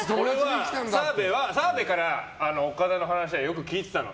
澤部から岡田の話はよく聞いてたの。